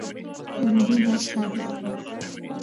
الګو باید صادق وي